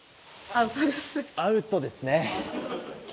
アウトですね。